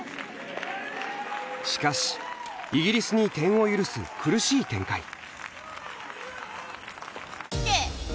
しかしイギリスに点を許す苦しい展開。